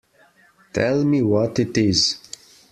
Tell me what it is.